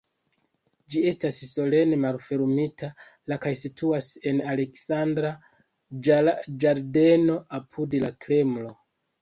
Ĝi estas solene malfermita la kaj situas en Aleksandra ĝardeno apud la Kremlo.